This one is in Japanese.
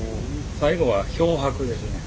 最後は漂白ですね。